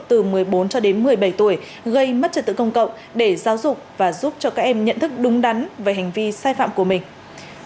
từ một mươi bốn cho đến một mươi bảy tuổi gây mất trật tự công cộng để giáo dục và giúp cho các em nhận thức đúng đắn về hành vi sai phạm của mình